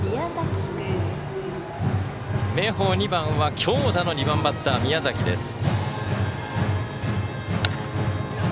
明豊２番は強打の２番バッター、宮崎です。